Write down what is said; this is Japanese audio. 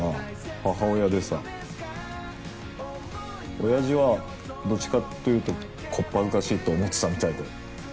おやじはどっちかっていうと小っ恥ずかしいって思ってたみたいで。